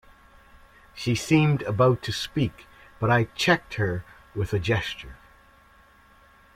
She seemed about to speak, but I checked her with a gesture.